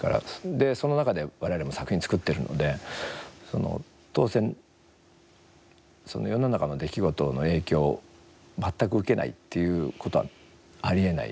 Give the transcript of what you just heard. で、その中で我々も作品を作ってるので当然、世の中の出来事の影響を全く受けないっていうことはあり得ない。